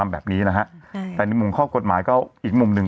แบบนี้นะฮะแต่ในมุมข้อกฎหมายก็อีกมุมหนึ่ง